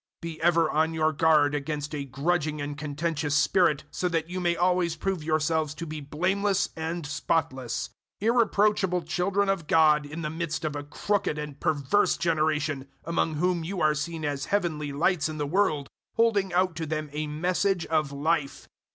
002:014 Be ever on your guard against a grudging and contentious spirit, 002:015 so that you may always prove yourselves to be blameless and spotless irreproachable children of God in the midst of a crooked and perverse generation, among whom you are seen as heavenly lights in the world, 002:016 holding out to them a Message of Life.